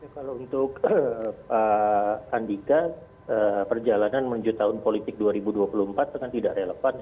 kalau untuk pak andika perjalanan menuju tahun politik dua ribu dua puluh empat itu kan tidak relevan